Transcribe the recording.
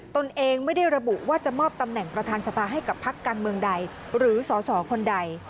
ตนเองไม่ได้ระบุว่าจะมอบตำแหน่งประธานสภาให้กับพักการเมืองใดหรือสสคนใด